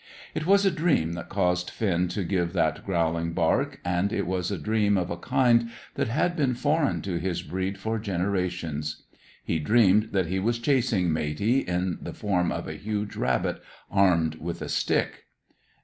It was a dream that caused Finn to give that growling bark, and it was a dream of a kind that had been foreign to his breed for generations. He dreamed that he was chasing Matey, in the form of a huge rabbit, armed with a stick.